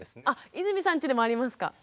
あ泉さんちでもありますか？